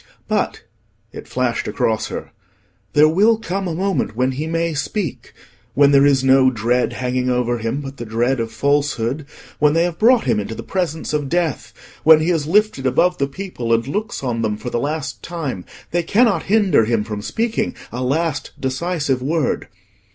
"But,"—it flashed across her—"there will come a moment when he may speak. When there is no dread hanging over him but the dread of falsehood, when they have brought him into the presence of death, when he is lifted above the people, and looks on them for the last time, they cannot hinder him from speaking a last decisive word.